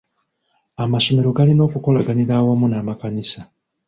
Amasomero galina okukolaganira awamu n'amakanisa.